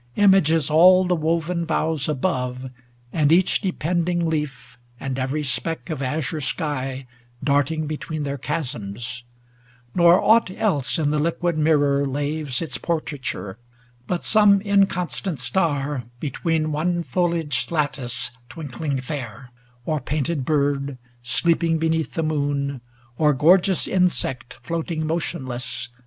Images all the woven boughs above, 459 And each depending leaf, and every speck Of azure sky darting between their chasms; Nor aught else in the liquid mirror laves Its portraiture, but some inconstant star, Between one foliaged lattice twinkling fair, Or painted bird, sleeping beneath the moou, Or gorgeous insect floating motionless.